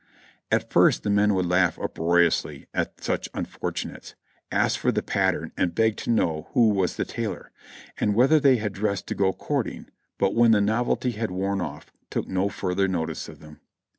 x\t first the men would laugh uproariously at such unfortunates, ask for the pattern and beg to know wdio was the tailor, and whether they had dressed to go courting, but when the novelty had worn off, took no further notice of them.